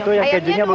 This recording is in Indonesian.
itu ya kejunya belum